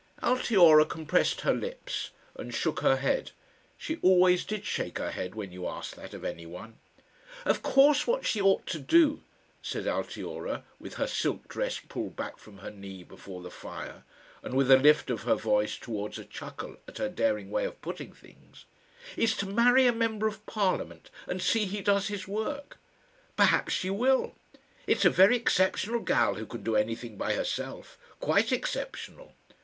Altiora compressed her lips and shook her head. She always did shake her head when you asked that of anyone. "Of course what she ought to do," said Altiora, with her silk dress pulled back from her knee before the fire, and with a lift of her voice towards a chuckle at her daring way of putting things, "is to marry a member of Parliament and see he does his work.... Perhaps she will. It's a very exceptional gal who can do anything by herself quite exceptional.